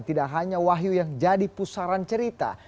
tidak hanya wahyu yang jadi pusaran cerita